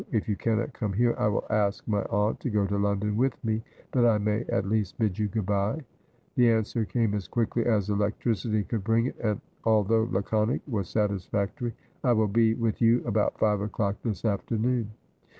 If you cannot come here, I will ask my aunt to go to London with me that I may at least bid you good bye.' The answer came as quickly as electricity could bring it, and although laconic, was satisfactory :' I will be with you about five o clock this afternoon.'